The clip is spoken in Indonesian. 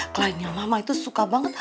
clientnya mama suka banget